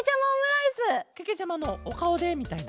けけちゃまのおかおでみたいな？